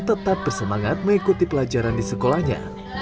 tetap bersemangat mengikuti pelajaran di sekolahnya